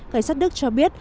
cảnh sát đức cho biết